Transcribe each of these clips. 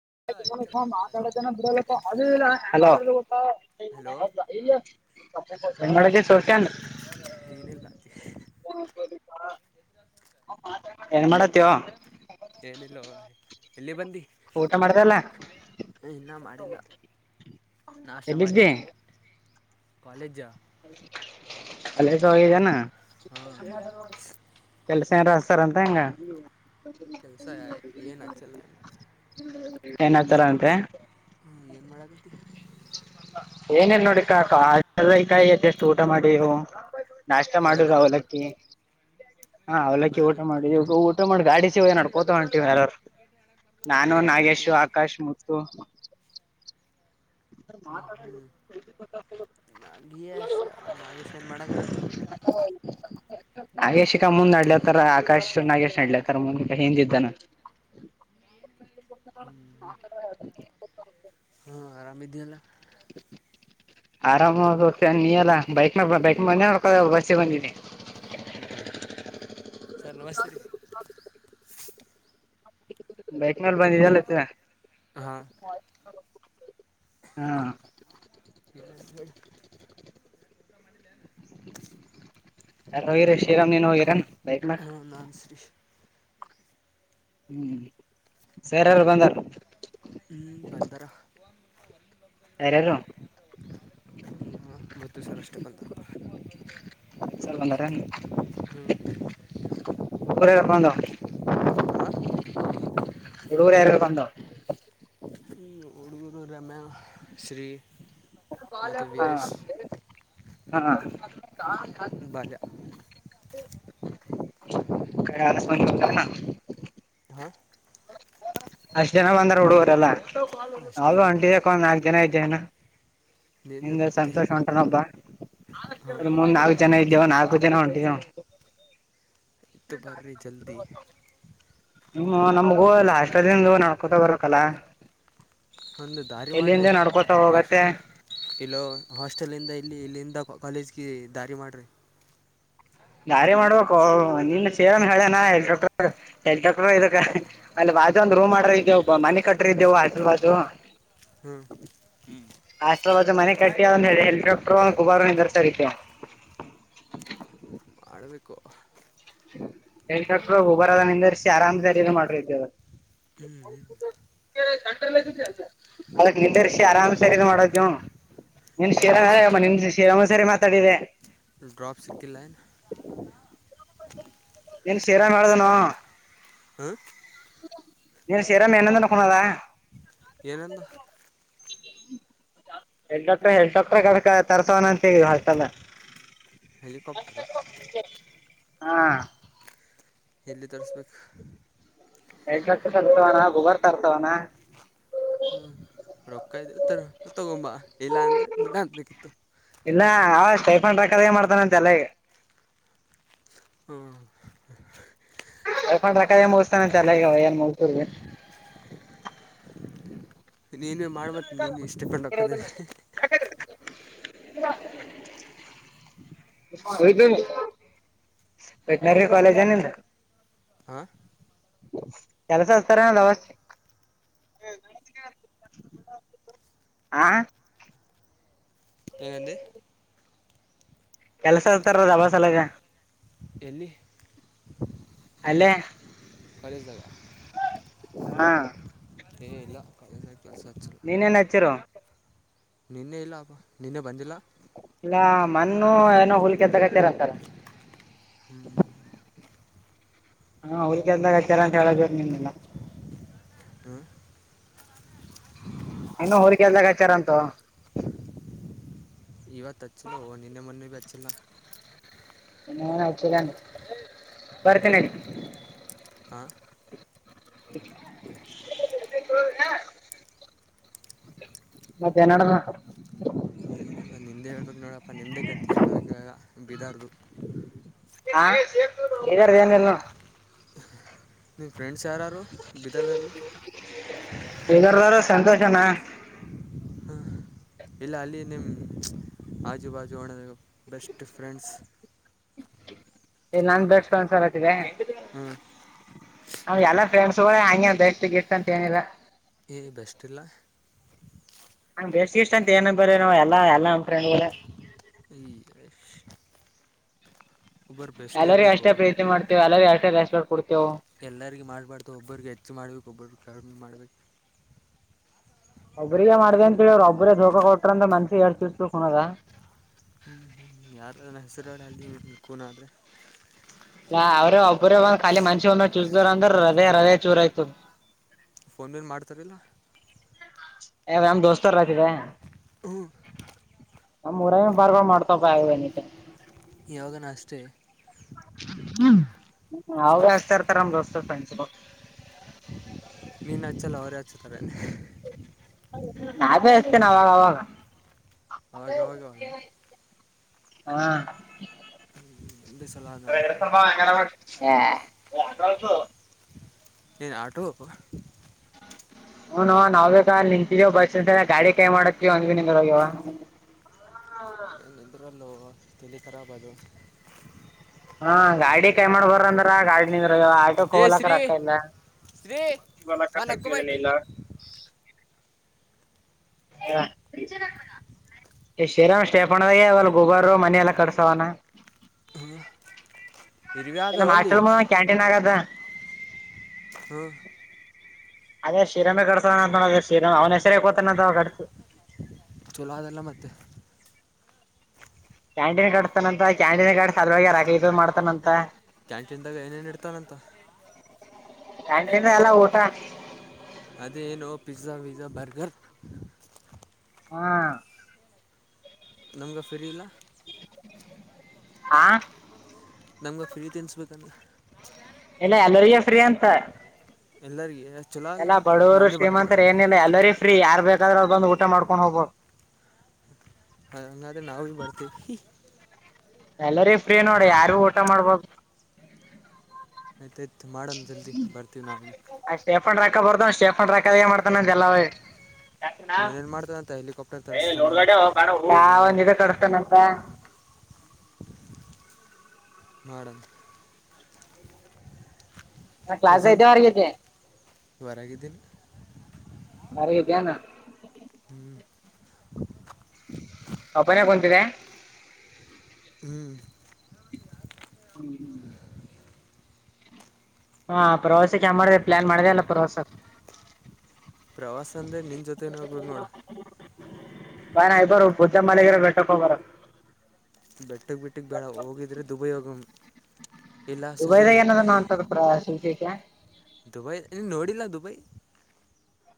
[unintelligible] Hello hello [unintelligible] ಬೆಗೆ ಸೋಕನ್ [unintelligible] [unintelligible] [unintelligible] ಏನ್ ಮಾಡತವ ಏನಿಲ್ಲೋ ಎಲ್ಲಿ ಬಂದಿ ಊಟ ಮಾಡ್ದಲ್ಲ [unintelligible] [inaudible] ಏ ಇನ್ನ ಮಾಡಿಲ್ಲ ನಾಷ್ಟ ಎಲ್ಲಿದ್ದಿ ಮಾಡೀನಿ [unintelligible] ಕಾಲೇಜಾ - [unintelligible] -ಕಾಲೇಜ ಒಳಗಿದ್ದೇನ ಹಾಂ [unintelligible] ಯಾರರ ಹಸ್ತಾರಂತೆ ಹೆಂಗ [unintelligible] ಕೆಲಸ ಏನ್ ಹಚ್ಚಿಲ್ಲ ಏನ್ತರ ಅಂತೆ [unintelligible] ಏನು ಮಾಡಕತಿ ಏನೇನ ನೋಡಿಕಾ ಕ ಎಲ್ಲ ಈ ಕಾಯಿ ದಷ್ಟು ಊಟ ಮಾಡಿವು [unintelligible] ನಾಷ್ಟ ಮಾಡರು ಬರಕತ್ತೇನ ಅವಲಕ್ಕಿ ಹಾ ಅವಲಕ್ಕಿ ಊಟ ಬರಕತ್ತಿ ಮಾಡಿ ಊಟ ಮಾಡಿ ಗಾಡಿ ಸ ನಡ್ಕೊಂತ ಹೊಂಟೀವಿ ಎಲ್ಲರೂ ನಾನು ಎಲ್ಲಿ ಬರಕತ್ತಿ ನಾಗೇಶು ಆಕಾಶು ಮುತ್ತು ಹ್ಞೂ ಮಾತ [inaudible] [unintelligible] ಯಶ ನಾಗೇಶ ಏನ ಮಾಡಕತ್ತಾನ ನಾಗೇಶಿಕ ಮುಂದ ನಡ್ಲತಾರ ಆಕಾಶ್ ನಾಗೇಶ್ ನಡ್ಲತರ ಮುಂದಿ ಈಕಡೇ ಹಿಂದಿದ್ದಾನ [inaudible] ಹು ಆರಾಮ ಇದಿಯಲ್ಲ ಆರಾಮಾಗೋಕೆ ನೀ ಎಲ್ಲ ಬೈಕ್ ಬೈಕ್ ಬಂದಿ ನೋಡ್ಕ ಬಸ್ಸಿಗೆ ಬಂದಿ [inaudible] ಬೈಕ [unintelligible] ಇಟ್ಟ ಸರ್ ನಮಸ್ತೆ ರೀ ಬೈಕ್ನಲ್ಲಿ ಬಂದ [unintelligible] ಲ್ಲತ್ತ ಹಾ ಹ ಇನ್ನ [unintelligible] [inaudible] ಯಾರ ಹೋಗಿರ ಶ್ರೀರಾಮ್ ನೀನು ಹೋಗಿರ ಏನ ಹು ನಾನ ಶ್ರೀಶ [inaudible] ಹು ಸರ್ ಯಾರ್ ಬಂದಾರ ಹು ಬಂದಾರ ಯಾರ್ಯಾರು [inaudible] ಈವ [inaudible] ಮುತ್ತು ಸರ್ ಅಷ್ಟ ಬಂದಾರ [unintelligible] ಸರ್ ಬಂದಾರ ಏನು [unintelligible] ಹ್ಞೂ ಹೂ ರೂ [unintelligible] ಬಂದವ ಹಾಂ ಹುಡುಗುರು ಯಾರ ಯಾರ ಬಂದಾರ ಹು ಹಡುಗುರು ರಮ್ಯ ಶ್ರೀ [inaudible] ಮತ್ತು ವೀರೇಶ್ ಹಾ ಬಾಲ್ಯ [unintelligible] [inaudible] [unintelligible] ಬರೇ ಆರು ಮಂದಿ ಬಂದರ ಏನ ಆ ಅಷ್ಟ್ ಜನ ಬಂದಾರ ಹುಡುಗರೆಲ್ಲಾ ಅಷ್ಟು ನಾವು ಜನ ಹೊಂಟಿದೀ ಕಣೊ ನಾಲ್ಕ ಜನ ಇದೀವಿ ಇದೀವಿ ಇನ್ನ [unintelligible] [unintelligible] ನಿನ್ನೆ ಸಂತೋಷ ಉಂಟಾನೊಬ್ಬ ಹಾಂ ಮುಂದೇ ನಾಲ್ಕು ಜನ ಇದ್ದೀವಿ ಇನ್ನ [unintelligible] ಜನ ಹೊಂಟಿದೆ ನೋಡು ಎದ್ದು ಬರಿ ಜಲ್ದಿ ಹುನೋ ನಮಗೂ ಹಾಸ್ಟೆಲಿಂದ ನಡ್ಕೊಂತ ಬರಬೇಕಲ್ಲ ಒಂದು ದಾರಿ ಮಾಡರಿ ಹಾಸ್ ಹೋಗತ್ತೆ [unintelligible] ಇಲ್ಲೋ ಹಾಸ್ [unintelligible] ಹಾಸ್ಟೆಲ್ಲ್ಲಿಂದ ಇಲ್ಲಿ ಇಲ್ಲಿಂದ ಕಾಲೇಜಿಗೆ ದಾರಿ ಮಾಡರಿ ದಾರಿ ಮಾಡಬೇಕು ನಿನ್ನೆ [unintelligible] ಸೇರನ್ ಹೇಳೇನಾ ಎಲ್ [unintelligible] ಡಾಕ್ಟರ್ ಎಲ್ ಡ್ರಾಕ್ಟರ್ ಇದಕ್ಕ ಬಾಜು ಒಂದ ರೂಮ ಮಾಡರಿ ಇದ್ದೆವು ಮನೆ ಕಟ್ಟವರ ಇದೆವು ಹಾಸ್ಟೆಲ್ ಬಾಜು ಹು ಹಾಸ್ಟೆಲ್ ಬಾಜು ಮನೆ ಕಟ್ಟಿ ಒಂದೆರಡ ಹೆಲಿಕ್ಯಾಪ್ಟರ್ [unintelligible] ಗುಬ್ಬಾರೋ ನಿಂದ್ರಸ್ತಾರ್ ಇಲ್ಲಿ- [unintelligible] ಹೆಲಿಕಾಪ್ಟರ್ [unintelligible] ಗುಬ್ಬಾರೋ ನಿಂದರ್ಸಿ ಆರಾಮ [unintelligible] ಸಾರಿನ ಮಾಡ ಬೇಕರಿ ಅದನ [inaudible] ಅದು ನಿಂದ್ರಿಸಿ ಆರಾಮ್ಸೆ [unintelligible] ಮಾಡಬೇಕು ನೋಡ ನೀನ [unintelligible] ಡ್ರಾಪ್ ಸಿಕ್ಕಿಲ್ಲ ಶ್ರೀರಾನಿಮ್ಮ ಶ್ರೀರಾಮ ಸರ್ ಮಾತಾಡಿದೆ ಡ್ರಾಪ್ ಸಿಕ್ಕಿಲ್ಲನ್ ನೆನ್ನೆ ಶೀರಾಮ ಹೇಳಿದ್ನೋ ಹಾ ನೀನು ಸೇರಾಮ [unintelligible] ಎನಂದನ ಕೊನದಾ ಏನೆಂದ [unintelligible] ಹೆಲಿಕಾಪ್ಟರ್ ತರ್ಸೋವಣಂತ ಅಷ್ಟಲ್ಲ ಹಲಿಕೊಪ್ಟರ್ ಹಾ ಎಲ್ಲಿ ತರಿಸ್ಬೇಕು ಎ ತರ್ತವಾನ ಬುಗಾರ್ ತರ್ತವಾನ [unintelligible] ಹ್ಮ್ ರೊಕ್ಕ ಇದ್ರೆ ತ ತಗೊಂಬ ಇಲ್ಲ ಅಂದ್ರೆ ಬಿಡ ಅಂತಬೇಕಿತ್ತು [unintelligible] ತೈಫಂಡ ರಕ್ಕದ ಮಾಡ್ತಾನ ತಲೆಗೆ [unintelligible] ಹ್ಮ [inaudible] ಹಪ ರಕ ಎ ಮೌಸ್ತಾನ ಚಲ್ಲನ್ ಮಸೂರು [unintelligible] ನೀನು ಮಾಡ್ಬ ನೀನು ಇಷ್ಟಪಂಡ್ ಹಕ್ಕದ [inaudible] ಹ [unintelligible] ವ ವೆಟನರಿ [unintelligible] ಕಾಲೇಜ ನಂದ ಹಾಂ ಕೆಲಸತಾರ [unintelligible] ಆಾ [unintelligible] ವಿನಂತಿ [unintelligible] ಕಲ್ಸಕ್ಕತ್ತಾರೆ ಅದು ಸಲುವಾಗಿ [unintelligible] ಎಲ್ಲಿ ಅಲ್ಲೇ ಕಾಲೇಜ್ದಾಗ ಹಾ [inaudible] ಏ ಇಲ್ಲ [unintelligible] ನೀವೆಲ್ಲಿ ಹಚ್ಚಿರಿ [unintelligible] ನಿನ್ನೆ ಇಲ್ಲ ಅಪ ನಿನ್ನೆ ಬಂದಿಲ್ಲ [inaudible] ಎಲ್ಲ ಮಣ್ಣು ಏನೋ ಹುಲ್ ಕೆದ್ದ ಕಟ್ಟಿರಂತಾರೆ [inaudible] ಹ್ಞೂ ಹಾ ಅವ್ರ ಕೆಲ್ದಾಗ ಹತಾರ ಅಂತ ಹೇಳದ ನಿನ್ಿಲ್ಲ [unintelligible] ಹ್ಞೂ ಇನ್ನು ಊರ್ರಿಗೆಲ್ದಾಗ ಹಚಾರಂತ [unintelligible] ಇವತ್ತು ಅಚ್ಚಲ ನಿನ್ನೆ ನಿನ್ನೆ ಮೊನ್ನೆ ದಿಕ್ಕಿಲ್ಲ [unintelligible] ಇನ್ನ ನ್ ಆಯಚಲ್ಲ ಬರ್ತನ [unintelligible] ಹ [unintelligible] [inaudible] ಮತ್ತೇನ್ ನಡದದ ಏನ ನಿಂದೆ ಹೇಳ್ಬೇಕ [unintelligible] ನೋಡಪ್ಪ ನಿಂದೆ ಕತ್ತಿ ಹೇಳುವಕಿವಾಗ ಬಿದಾರ್ದದು ಹಾ ಇದಾರ್ದ ಏನನ್ನು [unintelligible] ನಿವು ಫ್ರೆಂಡ್ಸ್ ಯಾರಾರು ಬದರ್ದಲ್ಲಿ [inaudible] ಸಂತೋಷನಾ ಹಾಂ ಇಲ್ಲ ಅಲ್ಲಿ ನಿಮ ಆಜು ಬಾಜು ಹಣೋದ ಬೆಸ್ಟ್ ಫ್ರೆಂಡ್ಸ್ ಏ ನಾನ್ ಬೆಸ್ಟ್ ಫ್ರೆಂಡ್ಸ್ ಅಲ್ವಾ ಅದು [unintelligible] ಹ್ಞೂ ನಮ್ ಎಲ್ಲಾ ಫ್ರೆಂಡ್ಸ್ ಕೂ ಹಂಗೆ ಬೆಷ್ಟಟ್ ಗಿಷ್ಟ ಅಂತ ಏನಿಲ್ಲ ಈಏ ಬಸ್ಟಲ್ಲ [unintelligible] ನಂಗ್ ಬೇಸ್ ಇಷ್ಟ ಅಂತ ಏನ ಬರ ನಾವವು ಎಲ್ಲಾ ಎಲ್ಲಾ ನಮ್ಮ ಫ್ರೆಂಡ್ ಈ್ ಎಲ್ಲರಿ ಅಷ್ಟೇ ಪ್ರೀತಿ ಮಾಡ್ತೀವಿ ಎಲ್ಲರಿೂ ಅಷ್ಟೇ ರೆಸ್ಪೆಕ್ಟ್ ಕೊಡ್ತೇವು ಎಲ್ಲರಿಗೆ ಮಾಡಬಾಡ್ತ ಒಬ್ಬ್ರಿಗೆ ಹೆಚ್ಚು ಮಾಡ್ಬೇಕು ಒಬ್ಬ್ರಿಗೆ ಕಡಿಮ ಮಾಡ್ಬೇಕು ಒಬ್ರಿಗೆ ಮಾಡ್ದ ಅಂತ ಹೇಳವ್ರರು ಒಬ್ಬ್ರ ಧೋಕಾ ಕೊಟ್ರ ಅ ಮನ್ಸಿ ಯಾರ್ ಚೂಸ್ ಕುಣದ ಹ್ಮ್ ಹ್ಮ್ ಯಾರ ಹೆಸರುಗಡೆ ಅಲ್ಲಿ ಕೂನ ಆದ್ರೆ [inaudible] ಅವ್ರೇ ಒಬ್ಬರೇ ಒಂದ ಖಾಲಿ ಮನ್ಷಿನ್ನ ಚೂಸ್ದಾರ ಅಂದ್ರ ಹೃದಯ ಹೃದಯ ಚೂರ ಆಯ್ತದ [unintelligible] ಫೋನ್ ಮೇಲೆ ಮಾಡ್ತಾರಿಲ್ಲ [inaudible] ನಮ್ ದೋಸ್ತಾರ ಹತಿದೆ [unintelligible] ಹ್ಮ್ ನಮ್ಮ್ಊರ ಬಾರ್ಗ ಮಾಡ್ತ ಬ ಆಗನ [unintelligible] ಯೋಗನ ಅಷ್ಟೆ ಹ್ಮ ಅವ್ರ ಹತಾ ಇರ್ತಾರಮಸ್ತ ೆಂಡ್ಸ [unintelligible] ನೀನು ಹಚ್ಚಲ್ಲ ಅವರೇ ಹಚ್ತಾರೆ [inaudible] ನಾನೇ ಹಸ್ತೇನೆ ಅವಾಗ ಅವಾಗ ಆಗವ ಗವಾಗ ಹ ಒಂದೇ ಸಲ ಆದ್ ನೋಡಪ್ಪ ಸ್ಪ ಅ ಅಟಸ ನನು ಆಟೋಪ್ಪ [inaudible] ಹ್ ನಾವ್ ಬೇಕಾ ನಿನ್ಂತಿದವ ಬಸ್ ಇಂತ ಗಾಡಿ ಕೈ ಮಾಡತ್ತ ಒಂದ್ವಿ ನಿೋಗ್ಯವ ಹ್ಮ ಎದರಲ್ಲೂ ತಿಲ್ಲಿಿ ಖರಾಬ ಅದು ಹಾ ಗಾಡಿ ಕೈ ಮಾಡ್ ಬರ ಅಂದ್ರ ಗಾಡಿನ ಆಟೋ ಏ ಶ್ರೀ ಹಲಕಕ್ಕ ಇಲ್ಲ ಶ್ರೀ ಫೋನ್ ಹಕ್ಕು ಬೈಟ್ ಬಲ್ಲ [inaudible] [inaudible] ಶ್ರಿರಾಮ್ ಸ್ಟೇಪಣದಾಗಲ್ ಗೊಬಾರ ಮನ ಎಲ್ಲ ಕಡಸವನಾ ಹ್ಮ ಇಮ್ಮ ಹಾಸ್ಟೆಲ್ ಕ್ಯಾಂಟೀನ್ ಆಗದ ಹ್ಮ ಅದೇ ಶ್ರೀರಾಮೆ ಕಡ್ಸತಂತ ನೋಡ್ರ ಶ್ರರ್ ಅವನ ಹೆಸರೇ ಕೋತಾನಂತ ಕಡಸು ಚಲೋ ಅದೆಲ್ಲ ಮತ್ತೆ ಕ್ಯಾಂಟೀನ್ ಕಟ್ತಾನಂತ ಕ್ಯಾಂಟೀನ್ ಕಾಸ ಅದ್ರಾಗ ರ ಇ ಮಾಡ್ತಾನಂತ ಕ್ಯಾಂಟೀನ್ದಾಗ ಏನೇನ್ ಇಡ್ತಾರಂತ ಚ್ಣಿಂದ ಎಲ್ಲ ಊಟಣ ಅದೇಏನು ಪಿಜ್ಜಾ ವಿಜ್ಜಾ ಬರ್ಗರ್ ಹಾ ನಮ್ಗ ಫ್ರೀ ಇಲ್ಲ ಹಾ ನಮ್ಗೆ ಫ್ರೀ ತಿನ್ಿಸ್ಬೇಕಂದ್ರೆ ಇಲ್ಲ ಅಲೋರಿಯಾ ಫ್ರೀ ಅಂತ ಎಲ್ಲಾರಗ ಎಲ್ಲಾ ಬಡವರು ಶ್ರೀಮಂತರ ಏನಿಲ್ಲ ಎಲ್ಲರಿ ಿ ಯಾರು ಬೇಕಾದ್ರೆ ಅದ ಬಂದು್ ಊಟ ಮಾಡ್ಕೊಂಡ್ ಹೋಗ್ಬೋ ಹ ಹಾದ್ರೆ ನಾವುಿ ಬರ್ತೀವಿ ಎಲ್ಲರಿ ಫ್ರೀ ನೋಡ ಯಾರು ಊಟ ಮಾಡ್ಬ ಆಯ್ತ ಆಯ್ತ್ು ಮಾಡಣ ಜಲ್ದಿ ಬರ್ತೀವಿ ನಾವವು ಆ ಸ್ಟೇಫನ್ ರೊಕ್ಕ ಬರ್ದ ಸ್ಟೇಫನ್ ರಕ್ಕ ಮಾಡ್ತಾನ ಅ ಎಲ್ಲೇ ಯಾನಾ ಏನೇನು ಮಾಡ್ತಾನಂತ ಹೆಲಿಕಾಪ್ಟರ್ ತರಿಸ್ತಾನ ಇದು ಕಡಿಸಸ್ತಾನಂತ ಮಾಡಡನ್ ನ ಕ್ಲಾಸ್ ಐತ ಪ್ರೆಸೆಂಟ್ ಆರಗತೆೆ ಹೊರಗಿದ್ದೀನಿ ಮಾರ ಇದಿದಾನ ಹ್ಞೂ ಹಬನ ಕುಂತಿದೆ ಹ್ಞೂ ಹ್ಮ್್ಮ ಹಾ ಪ್ರವಾಸಕ್ಕೆ ಯ ಮಾಡಿದೆ ಪ್ಲಯಾನ್ ಮಾಡಿದೆ ಅಲ್ಲ ಪ್ರವಾಸ ಪ್ರವಾಸ ಅಂದರೆ ನಿನ್ನ ಜೊತೆನೇ ಹೋಗ್ಬೇಕು ನೋಡು [inaudible] ಬ ನಯ ಬರ ಪೂಜಾ ಮಾಲಿಕರ ಬೆಟ್ಟಕ ಬರ ಬೆಟ್ಟಕ್ಕೆ ಬಿಟ್ಟಿಗೆ ಬೇಡ ಹೋಗಿದ್ರೆ ದುಬಯೋಗಂ ದುಬೈದಾಗ ಏನದ ನೋಂತಾರ ಶುಿಕ ದುಬೈ ನೀನು ನೋಡಿಲ್ಲ ದುಬೈ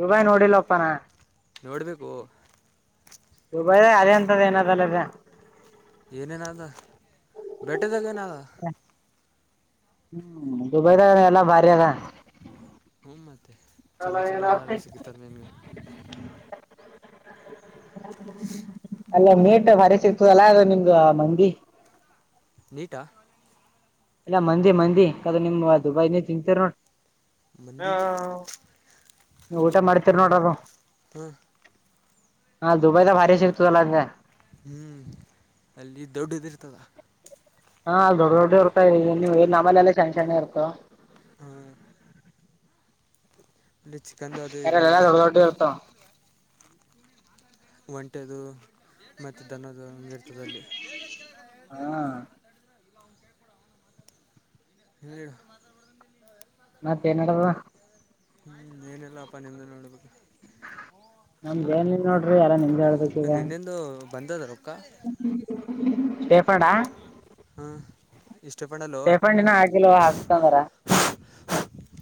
ಯೂಬಾಯ ನೋಡಿಲ್ಲಪ್ಪನಾ ನೋಡ್ಬೇಕು ದುಬಾಯ ಅರಿ ಅಂತದ ಏನಾದಲ್ಲ ಅದೆ ಏನೇನಾದ ಬೇಟೆದಾಗ ಏನದ ಹ್ಮ್ ದುಬೈದಾಗ್ ಎಲ್ಲ ಭಾರೀಅದ ಹ್ಞೂ ಮತ್ತೆ ಚುಲೋ ಚುಲೋ ಆಲ್ಲ ಸಿಗಿತಾರ ನಿನ್ಗ [inaudible] ಅಲ್ಲ ಮೀಟ್ ಭಾರಿ ಸಿಗ್ತದಲ್ಲಾ ಅ ನಿಮ್ದ ಮಂದಿ ನೀಟಾ ಇಲ್ಲಾ ಮಂದಿ ಮಂದಿ ಕದ್ ನಿಮ್ ದುಬೈ ನೆ ತಿಂತೀರ ನೋಡ್ ಮಂದಿ [unintelligible] ನೀವ್ ಊಟ ಮಾಡ್ತೀರಿ ನೋಡ್ರರು ಹ್ಮ. ಹಾ ದುಬೈದಾಗ ಭಾರಿ ಸಿಗ್ತುದಲ್ಲ ಅಂದ್ಯಾ ಹ್ಮ್ ಅಲ್ಲಿ ದೊಡ್ಡ್ದ ಇರ್ತದ. ಹಾ ದೊಡ್ ದೊಡ್ಡ ಇರ್ತಾವ್ ನೀವ್ ನಮ್ಮಲೆೆಲ್ಲ ಸೆಣ್ ಸೆಣ್ಣ ಇರ್ತವ ಹಾಂ ಇಲ್ಲಿ ಚಿಕನ್ದು ಅದು ಅಲ್ಲ ಎಲ್ಲ ಇರಲ್ಲವು ದೊಡ್ಡ್ ದೊಡ್ವ ಇರ್ತಾವ್ ಒಂಟೆದು ಮತ್ತ ದನದ್ದು ಇರ್ತದಲ್ಲಿ ಹಾ ಹೇಳು ಮತ್ತೇನ್ ನಡ್ದದ ಇಲ್ಲಾಪ್ಪ ನಿಮ್ದೆ ನೋಡ್ಬೇಕು ನಮ್ದೇನ್ ಇಲ್ಲ ನೋಡ್ರಿ ಎಲ್ಲ ನಿಮ್ ನಿನ್ನೆಂದು ಬಂದದ ರೊ [unintelligible] ಹಾ ಸ್ಟೇಫಂಡಿನ್ನ ಆಗಿಲ್ಲ ಹಾಕ್ಸತನಂದಾರ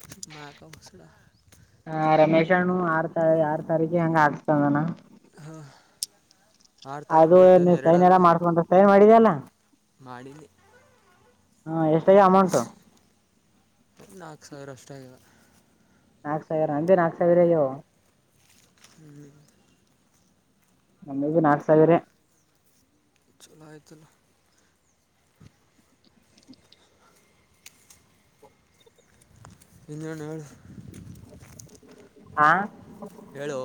[unintelligible] ಹಾ ರಮೇಶಾನು ಆರ್ ತ ಆರ್ ತಾರೀಕಿಗ ಹಂಗ ಹಾಕಸ್ಗಂಡನ ಹಾಂ ಆರು ತಾರೀಕು ಅದು ಇವತ್ತೇನು ನೀ ಸೈನ್ ಎಲ್ಲ ಮಾಡ್ಸ್ಬೊಂತ ಸೈನ್ ಮಾಡಿದ್ಯಲ್ಲ ಮಾಡಿದ್ನಿ ಹೂ ಎಷ್ಟಾಗಿದೆ ಅಮೌಂಟ್ ನಾಲ್ಕು ಸಾವಿರ ಅಷ್ಟೇ ಆಗಿದ ನಾಕ್ ಸಾವಿರ ಅಂದೆ ನಾಕ್ ಸಾವಿರಾಗ್ಯಾವ ಹ್ಮ್ ಹ್ಮ್ ನಮ್ಮದು ನಾಲ್ಕು ಸಾವಿರೆ ಚೊಲೋ ಆಯ್ತಲ್ಲ ಇನ್ನೇನ್ ಹೇಳ ಹಾ ಹೇಳೋ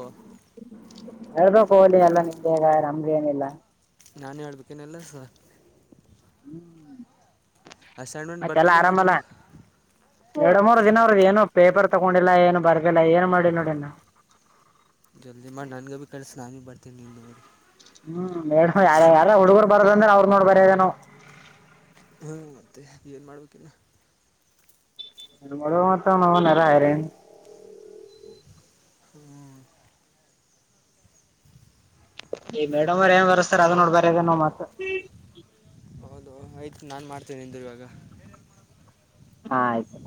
ಹೇಳ್ಬೇಕೋ ಲೇ ಎಲ್ಲ ನಿಮ್ದೇ ಅದ ನಮ್ದೇನಿಲ್ಲ ನಾನೇ ಹೇಳ್ಬೇಕೇನೆಲ್ಲ ಸದಾ ಹ್ಮ್ ಅಸೈನ್ಮೆಂಟ್ ಬರ್ದಿಲ್ಲ ಮೇಡಮ್ ಎರಡು ಮೂರು ದಿನ ಅವ್ರದ ಏನು ಪೇಪರ್ ತಗೊಂಡಿಲ್ಲ ಏನು ಬರ್ದಿಲ್ಲ ಏನು ಮಾಡಿಲ್ಲ ನೋಡಿ ನಾ ಜಲ್ದಿ ಮಾಡ ನನ್ಗ ಭಿ ಕಳ್ಸ ನಾನು ಬರೀತೀನಿ ನಿನ್ ನೋಡಿ ಹ್ಮ್ ನ ಯಾರ ಯಾರ ಹುಡುಗರು ಬರದಂದ್ರ ಅವ್ರ ನೋಡ್ ಬರೆದೇ ನಾವ್ ಹ್ಮ ಮತ್ತೆ ಏನ್ ಮಾಡ್ಬೇಕಿನ್ನ [unintelligible] ಹ್ಞೂ ಈ ಮೇಡಮ್ ಅವರ ಏನ್ ಬರಸ್ತಾರ ಅದನ್ನೋಡಿ ಬರದೇ ನಾವ್ ಮತ್ ಹಾ ಆಯ್ತು ನಾನ್ ಮಾಡ್ತೇನೆ ನಿಂದರು ಇವಾಗ ಹಾ ಆಯ್ತು